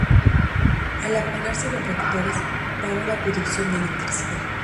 Al apagarse los reactores, paró la producción de electricidad.